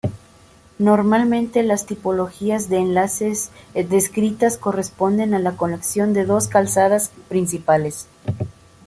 Normalmente las tipologías de enlaces descritas corresponden a la conexión de dos calzadas principales.